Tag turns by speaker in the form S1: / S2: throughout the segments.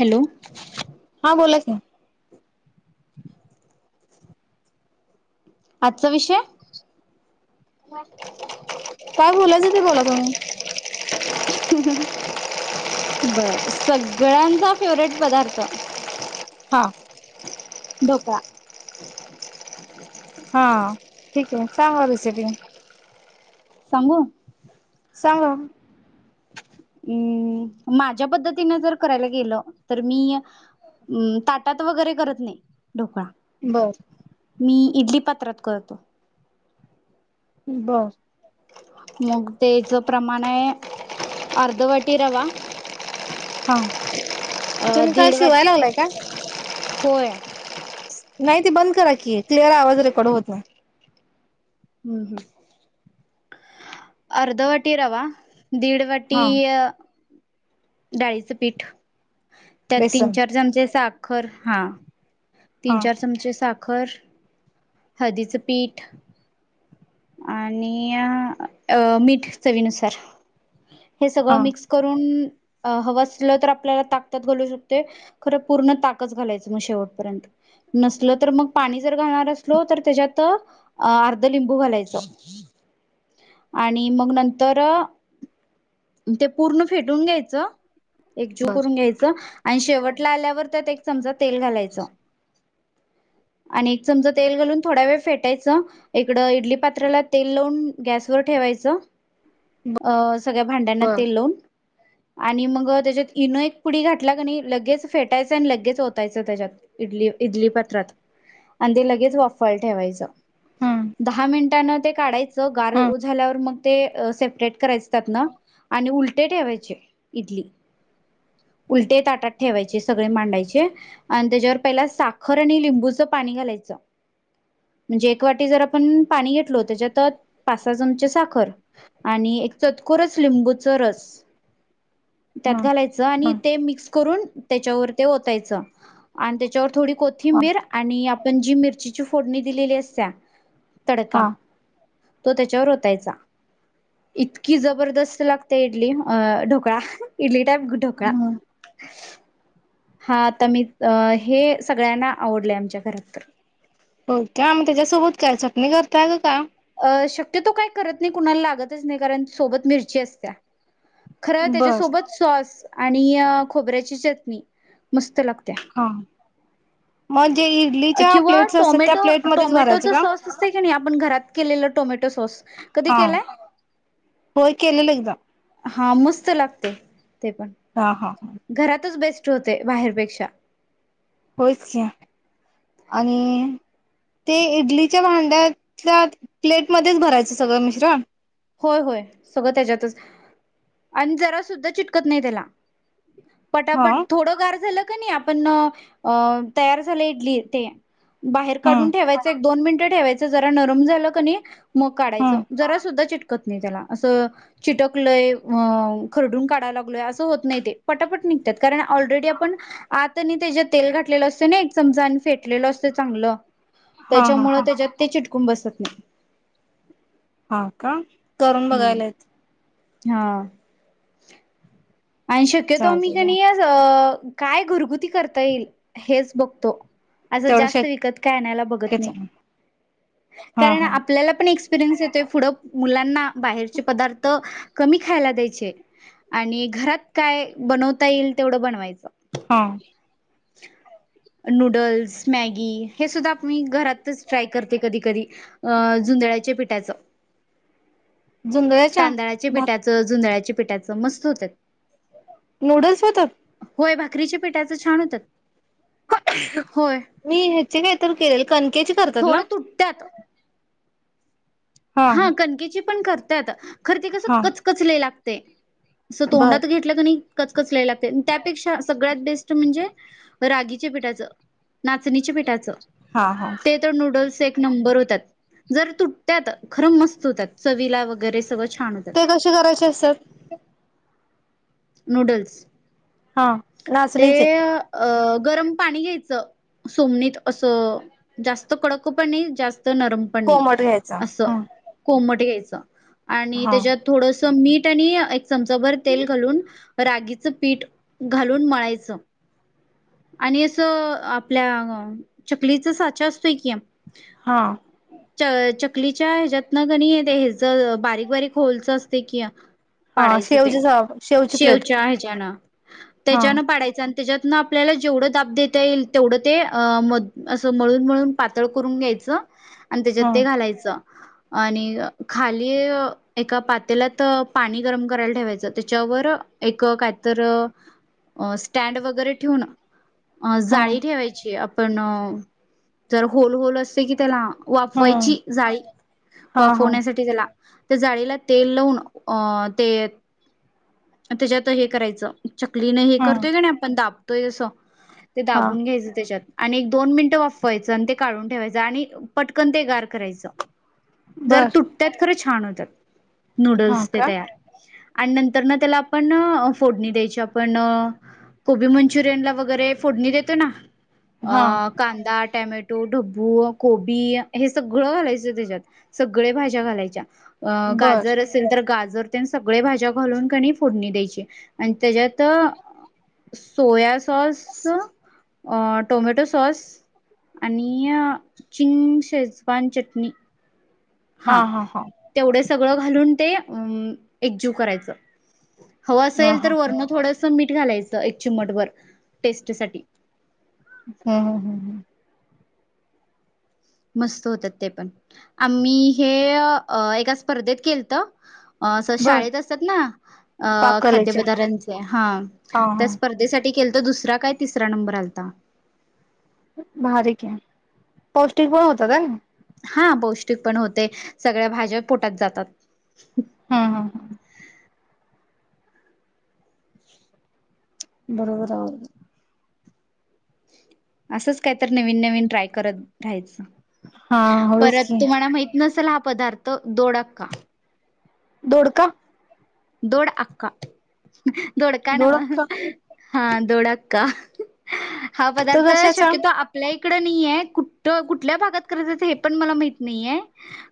S1: Hello
S2: हा बोला की
S1: आजचा विषय
S2: [unintelligible] काय? बोलायच ते बोला तुम्ही
S1: बर सगळ्यांचा फेवरेट पदार्थ
S2: हा
S1: डोकळा
S2: हा ठीक आहे. सांबर
S1: सांगू
S2: सांगा.
S1: हम् माझ्या पद्धतीने जर करायला गेलं. तर मी ताटात वगैरे करत नाही. ढोकळा
S2: बरं
S1: मी इडली पात्रात करतो.
S2: बर
S1: मग त्याच प्रमाण आहे. अर्धवटी रवा
S2: हा
S1: अ
S2: तुम्ही काल
S1: दीड
S2: शिवाय
S1: वाट
S2: लावलाय. का
S1: होय.
S2: नाही ते बंद करा की क्लिअर आवाज रेकॉर्ड होत नाही.
S1: हम्म हम्म अर्ध वाटी रवा दीड वाटी
S2: हा
S1: डाळीचं पीठ त्यात तीन
S2: बेसन
S1: चार चमचे सा खर हा. तीन
S2: हा
S1: चार चमचे सा खर हळदीच पीठ आणि अ मीठ चवीनुसार हे
S2: हा
S1: सगळं मिक्स करून हवां असलं तर आपल्याला ताक त्यात घालू शकते खरं पूर्ण ताकच घालायचं मग शेवटपर्यंत नसल तर मग पाणी जर घालणार असलो तर त्याच्यात अर्ध लिंबू घालायच. आणि मग नंतर ते पूर्ण फेटून घ्यायचं. एकजीव
S2: बर
S1: करून घ्यायच. आणि शेवटला आल्यावर त्यात एक चमचात तेल घालायचं. आणि एक चमच तेल घालून थोड वेळ फेटायचं. इकड इडली प पात्र तेल लावून गॅस वर ठेवायचं. अ सगळ्या भांड्यांना
S2: बर
S1: तेल लावून आणि मग त्याच्यात इनो एक पुडी घाातला क नाही लगेच फेटायचं आणि लगेच ओतायचं त्याच्यात इडली इडली पत्रात आणि ते लगेच वाफावायला ठेवायचं.
S2: हम्म
S1: दहा मिनट ते नवं ते काढायचं? स
S2: हम्म
S1: गारं झाल्यावर मग ते सेपरेट करायच त्यातन आणि उलटे ठेवायचे इडली उलटे ताटात ठेवायचे सगळे मांडायचे आणि त्याच्यावर पहिला साखर आणि लिंबूचं पाणी घालायचं म्हणजे एक वाटी जर पण पाणी त्याच्यात पाच सहा चमचे साखर आणि एक चतकुर लिंबूच रस त्यात
S2: हम्म
S1: घालायच आणि
S2: हम्म
S1: ते मिक्स करून त्याच्यावर ते होतायच आणि त्याच्यावर थोडी
S2: हा
S1: कोथिंबीर आणि पण जी मिरचीची फोडणी दिलेली असत्या तडका.
S2: हा
S1: तो त्याच्यावर ओतायचा इतकी जबरदस्त लागते इडली अ ढोकळा इडली त्याब ढोकळा.
S2: हम्म
S1: हा आता मी हे सगळ्यांना आवडले आमच्या घरात तर.
S2: हो का मग त्याज्या सोबत काय चटणी करताय का?
S1: शक्यतो काही करत नाही कुणाला लागतच नाही कारण सोबत मिरची असत्या. खरं
S2: बर
S1: त्याच्यासोबत सॉस आणि खोबऱ्याची चटणी मस्त लागते.
S2: हा म्हणजे.
S1: किंवा टोमॅटो
S2: भरायचं
S1: टोमॅटोचा
S2: का
S1: सॉस असत की नाही आपण घरात केलेल टोम टोमटो सॉस. कधी
S2: हा
S1: केलाय
S2: होय केलेलं एकदा.
S1: हा मस्त लागते. ते पण
S2: हा हा
S1: घरातच बेस होते बाहेरपेक्षा.
S2: होयच की आणि ते इडलीच्या भांड्यातल्या प्लेटमध्येच भरायचं सगळं मिश्रण?
S1: होय होय सगळं त्याच्यातच आणि जरा सुुद्धा चिटकत नाही त्याला.
S2: हा
S1: पटापट थोडं गार झालं आपण तयार झालं इडली ते बाहेर
S2: हा
S1: काढून ठेवायचं एक दोन मिनट ठेवाचं जरा नरम झालं कनी मग
S2: हा
S1: काढाचं, जरा सुद्धा चिटकत त नाही त्याला असं चिटकलय खरडून काढालागलोय, असं होत नाही ते पटापट निगतय कारण ऑलरेडी आपण आता नि त्याच्यात तेल घातलेलं असत ना एक चमचा आणि फेटलेला असतं चांगलं
S2: हा हा
S1: त्याच्यामुळे
S2: हा
S1: त्याच्यात ते चिटकुन कुन बसत नई
S2: हा का? करून बघायलाय
S1: हा आणि शक्यतो मी
S2: चालतय
S1: कणी
S2: चालतय
S1: आज काय घरगुती करता येईल? हेच बघतो. असं
S2: तेवढं
S1: जास्त विकत काय आणयला बघत
S2: शक्यच
S1: नाही.
S2: आहे हा
S1: कारण
S2: हा
S1: आपल्याला पण एक्स एक्सपरिइन्स येतोय, पुढ मुलांना बाहेरचे पदार्थ कमी खायला द्यायचे आणि घरात काय बनवता येईल? तेवढं बनवायचं.
S2: हो.
S1: नूडल्स, मॅगी हे सुद्धा मी घरातच ट्राय करते. कधी कधी जुंदळ्याच्या पिठाच.
S2: जुंधळ्याच्या
S1: तांदळाच्या
S2: भाक
S1: पिठाचं, जुंदळाच्या पिठाचं. त्या मस्त होत्यात.
S2: नूडल्स होतात.
S1: होय, भाकरीच्या पिठाचं छान होतात.
S2: आच्छी!
S1: होय.
S2: मी हे [unintelligible] केले कणकेची करतात ना?
S1: थोडं तुटत्यात हा कणकेची पण करता येतात. खर ते कसं
S2: हा
S1: कचकच लय लागत. ते अस
S2: बर
S1: तोंडात घेतलं का नाही कच कचलायला त्यापेक्षा सगळ्यात बेस्ट म्हणजे रागीच्या पीठाचं. नाचणीच्या पीठाच
S2: हा हा
S1: ते तर नूडल्स एक नंबर होत्यात. जरा तुटत्यात. खरं मस्त होतात. चवीला वगैरे सगळं छान होतात
S2: ते कसे करायचे असत्यात?
S1: नूडल्स
S2: हा
S1: ते
S2: नाचणीचे
S1: अअ गरम पाणी घ्यायचं. सोमनीत असं जास्त कडक पण नाही जास्त नरमपणी
S2: कोमट घ्यायचा
S1: अस
S2: हा
S1: कोमट घ्यायचं ते आणि
S2: हा
S1: त्याच्यात थोडसं मीट आणि [unintelligible] चमचा भर तेल घालून च रागीचं पीठ घालून मळायचं आणि असं आपल्या चकलीच साचा असतोय की
S2: हा
S1: च चकलीच्या ह्याच्यातनं का नी याच बारीक बारीक होलच असतय कि या
S2: हा
S1: पाडायचं ते
S2: शेवची शेवची प्लेट
S1: शेवच्या ह्याच्यान
S2: हा
S1: त्याच्यान पाडायचं आ त्याच्यातन आपल्याला जेवढं दाब देता येईल तेवढं ते म असं मळून मळून पातळ करून घ्यायचं आणि त्याच्यात
S2: हा
S1: ते घालायचं आणि खाली एका पातेलात पाणी गरम करायला ठेवायचं त्याच्यावर एक कायतर अ स्टँड वगैरे ठेवून अ
S2: हा
S1: जाळी ठेवायची आ पण जर होल होल असतय की त्याला
S2: हा
S1: वाफवायची जाळी
S2: हा हा
S1: वाफवण्यासाठी त्याला त्या जाळीला तेल लावून अ ते त्याच्यात हे करायचं चकलीन हे
S2: हा
S1: करतोय का नाही आपण दाब [unintelligible] ते
S2: हा
S1: दाबून घ्यायचं त्याच्यात आणि एक दोन मिनिटं वाफवायचं आणि ते काढून ठेवायचं आणि पटकन ते गार करायचं जर
S2: बर
S1: तुटत्यात खरच छान होत्यात.
S2: हा
S1: नूडल्स ते
S2: का
S1: तयार आन नंतर तर ना त्याला आपण फोडणी द्यायची आपण कोबी मंचुरियन ला वगैरे फोडणी देतो ना
S2: हा
S1: अ कांदा टॅमॅटो ढब्बू कोबी हे सगळं घालायचं त्याच्यात सगळे भाज्या घालायच्या. अ
S2: बर
S1: गाजर असेल तर गाज जर तेन सगळे भाज्या घालून का नाही फोडणी द्यायची आणि त्याच्यात तर सोया अस अ टोमॅटो सॉस आणि चिंग शेजवान चटणी हा तेवढच सगळं घालून ते अम एकजीव करायचं. हव
S2: ह
S1: असेल तर
S2: हा
S1: वरन थोडंस मीठ मीठ घालायचं एक चिमट भर टेस्ट साठी.
S2: हा ह हम्म हम्.
S1: मस्त होतात ते पण, आम्ही हे अ एका स्पर्धेत केलत. अ असं
S2: बर
S1: शाळेत असतात ना, अ
S2: पाकलेच्या
S1: खाद्यपदार्थांचे हा,
S2: हा हा
S1: त्या स्पर्धेसा ते केलतो दुसरा काय, तिसरा नंबर आलता.
S2: बारीक हे पौष्टिक पण होतात ह हे.
S1: हा पौष्टिक पण होते सगळ्या भाज्या पोटात जातात.
S2: हम्म हम हम. बरोबर आ.
S1: असंच काय तर नवीन नवीन ट्राय करत राहायचं.
S2: हा होय च की.
S1: चला हा पदार्थ दोडक्का.
S2: दोडका?
S1: दोड अका दोडका नव्ह. हा दोडअक्का. हा
S2: तर
S1: पदार्थ
S2: कशाचा
S1: शक्यतो आपल्या ई हिकडं नाहीये, कुठ? कुठल्या भागात करतं हे पण मला माहित नाहीये.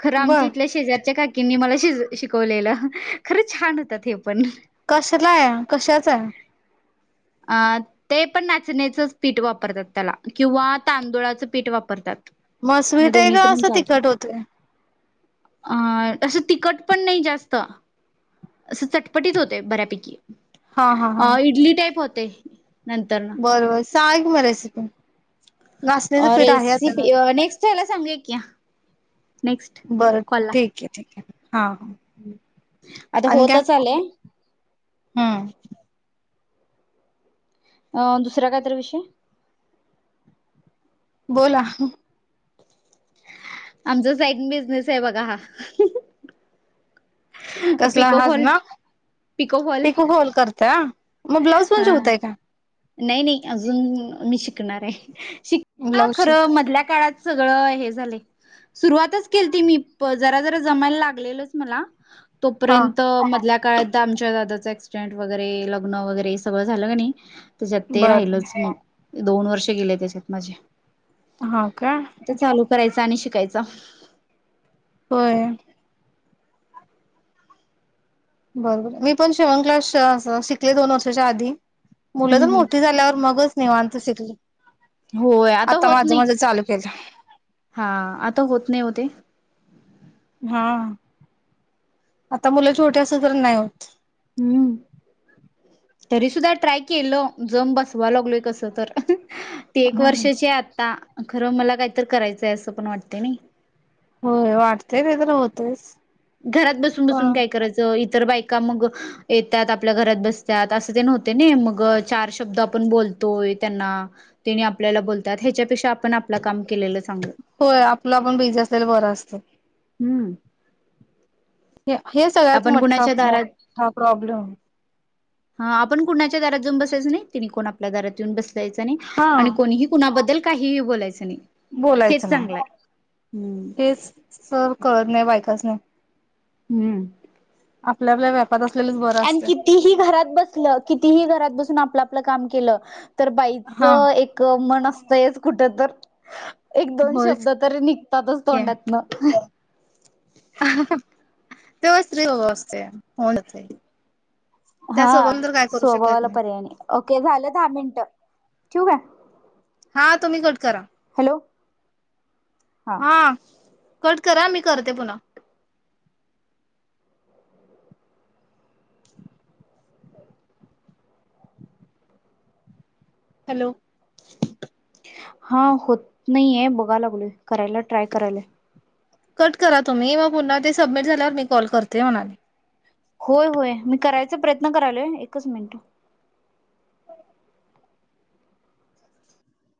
S1: खरं आमच्या
S2: बर
S1: इथल्या शेजारच्या का किनी मला श-शिकवलेलं खरच. छान होतात हे पण.
S2: कसला आहे? कशाच हाय?
S1: अ ते पण नाचण्याचंच पीठ वापरतात त्याला किंवा तांदुळाचं पीठ वापरतात.
S2: मग
S1: हे
S2: स्वीट आहे
S1: दोन्हीच
S2: का
S1: पण
S2: असं
S1: चालतंय.
S2: तिखट होतंय.
S1: अ तसं तिकट पण नाही जास्त असं चटपटीत होते बऱ्यापैकी.
S2: हा हा हा
S1: अ इडली टाईप हो ते नंतर न
S2: सांगा की मग रेसिपी.
S1: अ
S2: नाचण्याचं पीठ आहे आता
S1: रेसीपी
S2: घरी.
S1: अ नेक्स्ट हेला सांगूया की. नेक्स्ट
S2: बर
S1: कॉलला.
S2: ठीक आहे, ठीक आहे. ठीक
S1: आता
S2: काय
S1: होतच आलेय
S2: हम्म
S1: अच्ा अं दुसरा काय तर विषय
S2: बोला
S1: आमचा साईड बिझनेस आहे बघा हा
S2: कसला हज
S1: पिकोफॉल
S2: ना
S1: पिकोफॉल
S2: पिकू गोल करत्या मग ब्लाऊज पण
S1: हा
S2: शिवताय काय
S1: नाही नाही अजून मी शिकणार आहे शिका
S2: ब्लाऊज शिव
S1: खरं मधल्या काळात सगळ हे झालंय सुरुवातच केलती मी जरा जरा जमायला लागलेलच मला
S2: हा
S1: तोपर्यंत मधल्या काय आत्ता आमच्या दादाचं एक्सीडेंट वगैरे लग्न वगैरे सगळं झालं का नाही तिच्यात ते
S2: बर
S1: राहिलेच नाही दोन वर्ष गेले त्याच्यात माझे
S2: हो का
S1: आत्ता आणि शिकायचं
S2: होय बरोबर मी पण शिवण क्लास शिकले दोन वर्षाच्या आधी मुलं
S1: हम्म
S2: तर मोठी
S1: हम्म
S2: झाल्यावर मगच निवांतच येतो
S1: होय आता होत नई
S2: केलं
S1: हा आता होत नई ओ ते
S2: हा आता मुलं छोटी असली तर नाही होत
S1: हम्म तरी सुद्धा ट्राय केलं जम बसवा लागलोय कस तर ती एक
S2: होत
S1: वर्षाची आता खरं मला काहीत करायचंय असं पण वाटतय नाही
S2: होय वाटतेय वगैरे होतंयस
S1: घरात बसून बसून काय करायचं तर बायका मग येतात आपल्या घरात बसतात अस असतेन होतंय नाही मग चार शब्द आपण बोलतोय त्यांना तेनी आपल्याला बोलतात ह्याच्यापेक्षा आपण आपले काम केलेलंच बरं
S2: होय आपलं आपण बिझी असलेल बर असत
S1: हम्म
S2: हे सगळ्यात
S1: आपण
S2: मठ्ठा
S1: कुणाच्या दारात
S2: मोठा प्रॉब्लेम
S1: हा आपण कुणाच्या दरात जाऊन बसायच नाही तिने कोण आपल्या दरात येऊन बस जायचं नाही
S2: हा
S1: आणि कोणीही कुणाबद्दल काहीही बोलायचं नाही हेच
S2: बोलायचं नाही
S1: चांगलं आहे हम्म
S2: हेच सर कळत नाही बायकास्नी
S1: हम्म
S2: आपल्या आपल्या व्या
S1: अन् कितीही घरात बसलं कितीही घरात बस आपलं आपलं काम केलं तर
S2: हा
S1: बाईचं एक मन असत जायचं कुठ तर? एक दोन
S2: होयच
S1: शब्द तरी निघतातच
S2: की
S1: तोंडातनं
S2: [unintelligible] तेव्हा स्त्री हो असते [unintelligible]
S1: हा
S2: स्वभावाला तर काय करू शकत
S1: स्वभावाला पर्याय नाही ओके झालं दहा मिनिट. ठेऊ काय?
S2: हा तुम्ही कट करा.
S1: हॅलो
S2: हा कट करा मी करते पुन्हा हॅलो
S1: हा होत नाही आहे बघा लागलो करायला ट्राय करायला
S2: कट करा तुम्ही व पुन्हा ते सबमिट झाल्यावर मी कॉल करते म्हणाले
S1: होय होय मी करायचा प्रयत्न करालोय एकच मिनिट.
S2: [unintelligible]